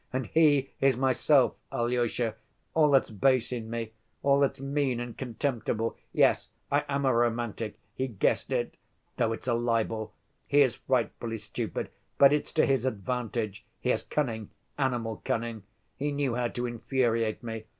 And he is myself, Alyosha. All that's base in me, all that's mean and contemptible. Yes, I am a romantic. He guessed it ... though it's a libel. He is frightfully stupid; but it's to his advantage. He has cunning, animal cunning—he knew how to infuriate me.